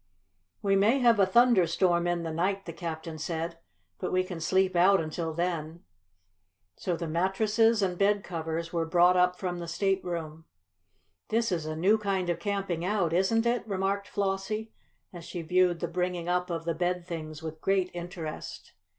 "We may have a thunderstorm in the night," the captain said, "but we can sleep out until then." So the mattresses and bed covers were brought up from the stateroom. "This is a new kind of camping out, isn't it?" remarked Flossie, as she viewed the bringing up of the bed things with great interest.